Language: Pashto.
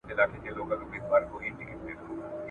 شاوخوا یې باندي ووهل څرخونه ..